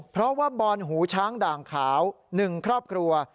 เพราะว่าบอนหูช้างด่างขาว๑ครอบครัว